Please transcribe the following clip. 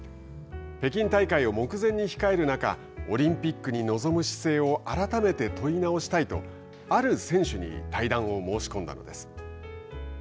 北京大会を目前に控える中オリンピックに臨む姿勢を改めて問い直したいとある選手に対談を申し込んだのです。